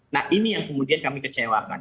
nah ini yang kemudian kami kecewakan